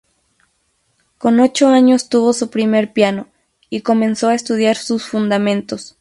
Con ocho años tuvo su primer piano y comenzó a estudiar sus fundamentos.